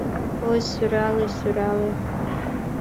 Ой, сӧрале, сӧрале